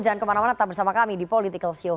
jangan kemana mana tetap bersama kami di political show